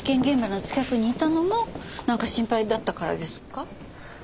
現場の近くにいたのもなんか心配だったからですか？